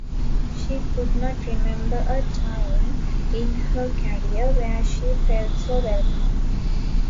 She could not remember a time in her career where she felt so welcomed.